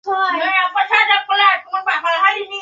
আর ধান রাখার জন্য বিশাল ধানের গোলা।